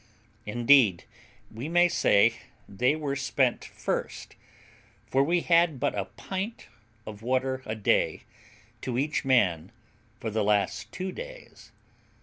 Indeed, we may say they were spent first, for we had but a pint of water a day to each man for the last two days.